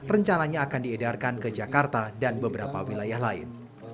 rencananya akan diedarkan ke jakarta dan beberapa wilayah lain